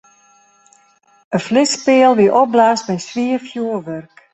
In flitspeal wie opblaasd mei swier fjurwurk.